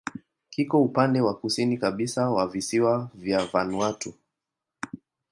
Kiko upande wa kusini kabisa wa visiwa vya Vanuatu.